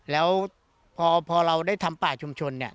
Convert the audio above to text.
แล้วพอเราได้ทำป่าชุมชนเนี่ย